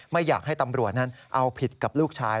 ไม่อยากให้ตำรวจนั้นเอาผิดกับลูกชาย